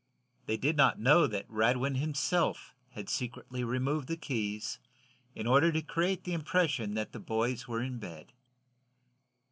They did not know that Radwin himself had secretly removed the keys in order to create the impression that the boys were in bed.